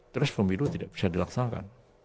terus pemilu tidak bisa dilaksanakan